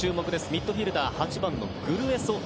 ミッドフィールダー８番のグルエソ。